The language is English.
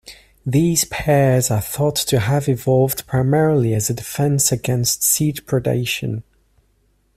These "pears" are thought to have evolved primarily as a defense against seed predation.